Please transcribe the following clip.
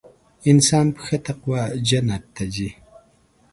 انسان په ښه تقوا جنت ته ځي .